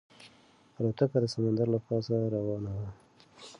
الوتکه د سمندر له پاسه روانه وه.